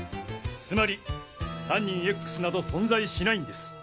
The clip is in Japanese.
つまり犯人Ｘなど存在しないんです。